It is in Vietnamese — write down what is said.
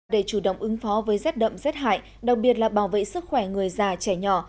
để chủ động ứng phó với rét đậm rét hại đặc biệt là bảo vệ sức khỏe người già trẻ nhỏ